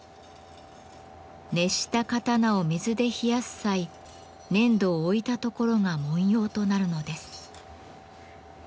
熱した刀を水で冷やす際粘土を置いた所が文様となるのです。